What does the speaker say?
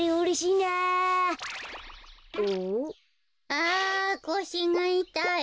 あこしがいたい。